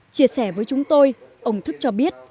chia sẻ với chúng tôi ông thức cho biết